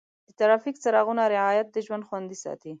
د ټرافیک څراغونو رعایت د ژوند خوندي ساتي.